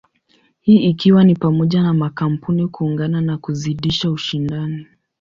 Hii ikiwa ni pamoja na makampuni kuungana na kuzidisha ushindani.